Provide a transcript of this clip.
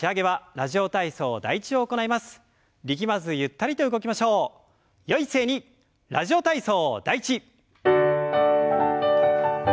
「ラジオ体操第１」。